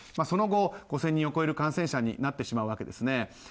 その後、５０００人を超える感染者になってしまうわけですね。